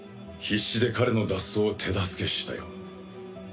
必死で彼の脱走を手助けしたよ。